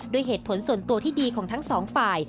ด้วยเหตุผลส่วนตัวที่ดีของทั้งสองฝ่าย